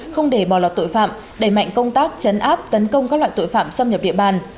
không để bỏ lọt tội phạm đẩy mạnh công tác chấn áp tấn công các loại tội phạm xâm nhập địa bàn